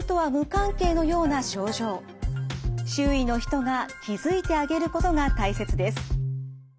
周囲の人が気付いてあげることが大切です。